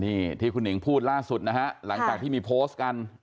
นี่ที่คุณหิงพูดล่าสุดนะฮะหลังจากที่มีโพสต์กัน